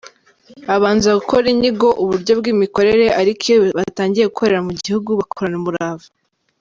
Babanza gukora inyigo, uburyo bw’imikorere ariko iyo batangiye gukorera mu gihugu, bakorana umurava.